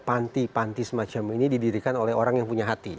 panti panti semacam ini didirikan oleh orang yang punya hati